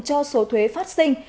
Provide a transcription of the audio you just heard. cho số thuế phát sinh